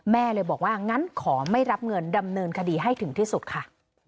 แม่เลยบอกว่างั้นขอไม่รับเงินดำเนินคดีให้ถึงที่สุดค่ะ